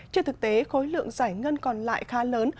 trên thực tế khối lượng giải ngân còn lại khá lớn